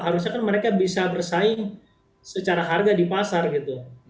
harusnya kan mereka bisa bersaing secara harga di pasar gitu